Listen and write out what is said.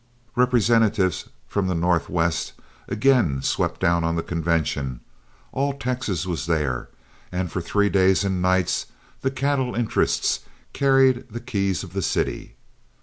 Representatives from the Northwest again swept down on the convention, all Texas was there, and for three days and nights the cattle interests carried the keys of the city.